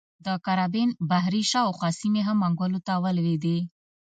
د کارابین بحیرې شاوخوا سیمې هم منګولو ته ولوېدې.